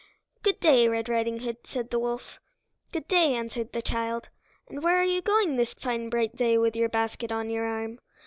"Good day, Red Riding Hood," said the wolf. "Good day," answered the child. "And where are you going this fine bright day with your basket on your arm?"